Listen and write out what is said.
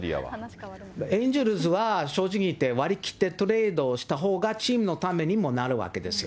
エンジェルスは正直言って、割り切ってトレードをしたほうが、チームのためにもなるわけですよ。